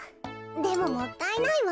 でももったいないわ。